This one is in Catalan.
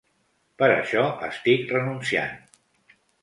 Per això estic renunciant.